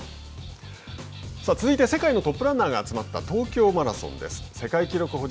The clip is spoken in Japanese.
続いて世界のトップランナーが集まった東京マラソンです。